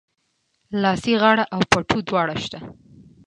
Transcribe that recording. لاسي غاړه او پټو دواړه سته